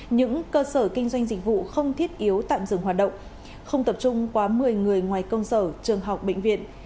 những cơ sở kinh doanh dịch vụ không thiết yếu tạm dừng hoạt động không tập trung quá một mươi người ngoài công sở trường học bệnh viện